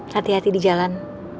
hati hati di jalan